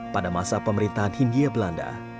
pada masa pemerintahan hindia belanda